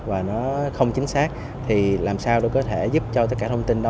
và nó không chính xác thì làm sao nó có thể giúp cho tất cả thông tin đó